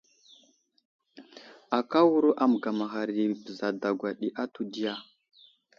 Akáwuro a məgamaghar i bəra dagwa ɗi atu diya ?